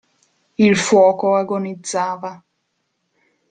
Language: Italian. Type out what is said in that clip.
Il fuoco agonizzava.